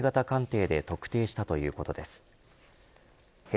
ＤＮＡ型鑑定で特定したということです。